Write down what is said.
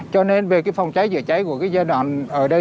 cho nên về phòng cháy chữa cháy của giai đoạn ở đây